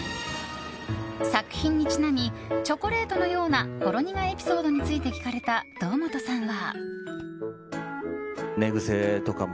作品にちなみチョコレートのようなほろ苦エピソードについて聞かれた堂本さんは。